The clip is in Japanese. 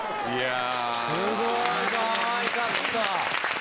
すごいかわいかった！